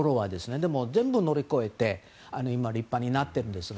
でも、全部乗り越えて今、立派になっているんですが。